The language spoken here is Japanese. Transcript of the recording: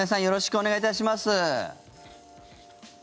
よろしくお願いします。